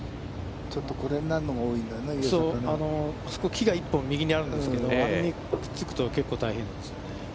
木が１本右にあるんですけど、あれにくっつくと結構、大変です。